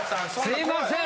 すいません！